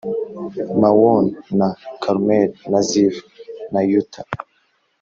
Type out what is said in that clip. Mawoni na Karumeli na Zifu na Yuta